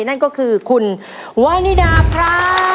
นั่นก็คือคุณวานิดาครับ